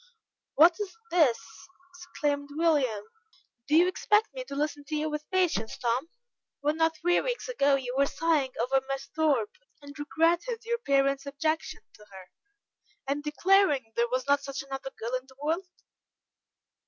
"What is this?" exclaimed William. "Do you expect me to listen to you with patience, Tom, when not three weeks ago you were sighing over Miss Thorpe, and regretted your parents' objection to her, and declaring there was not such another girl in the world?"